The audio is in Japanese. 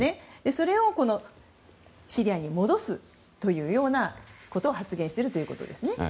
それをシリアに戻すというようなことを発言しているということですね。